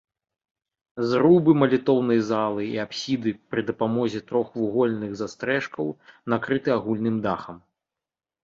Зрубы малітоўнай залы і апсіды пры дапамозе трохвугольных застрэшкаў накрыты агульным дахам.